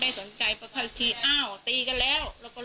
แต่พอเห็นว่าเหตุการณ์มันเริ่มเข้าไปห้ามทั้งคู่ให้แยกออกจากกัน